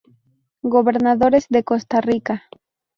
Gobernadores de Costa Rica